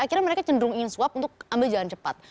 akhirnya mereka cenderung ingin suap untuk ambil jalan cepat